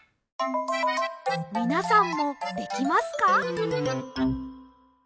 みなさんもできますか？